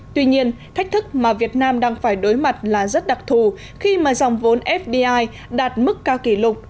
tuy nhiên thách thức mà việt nam đang phải đối mặt là rất đặc thù khi mà dòng vốn fdi đạt mức cao kỷ lục